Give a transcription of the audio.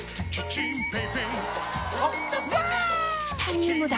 チタニウムだ！